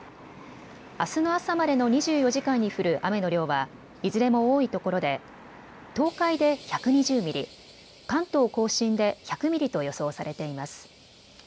あすの朝までの２４時間に降る雨の量はいずれも多いところで東海で１２０ミリ、関東甲信で１００ミリと予想されています。